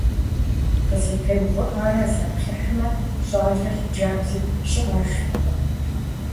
КъызэтеувыӀэрэ заплъыхьмэ - щӀали хъыджэбзи щыӀэжтэкъым.